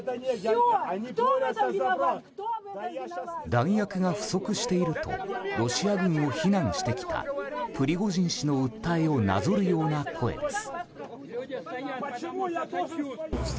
弾薬が不足しているとロシア軍を非難してきたプリゴジン氏の訴えをなぞるような声です。